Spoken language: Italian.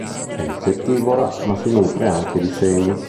È insettivora, ma si nutre anche di semi.